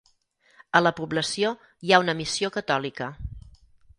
A la població hi ha una missió catòlica.